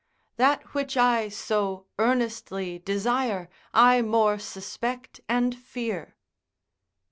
Ae. That which I so earnestly desire, I more suspect and fear.